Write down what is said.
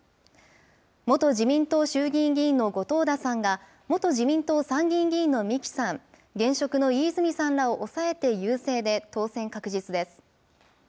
元自民党衆議院議員の後藤田さんが、元自民党参議院議員の三木さん、現職の飯泉さんらを抑えて優勢で、当選確実です。